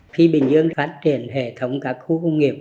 khi bình dương phát triển hệ thống các khu công nghiệp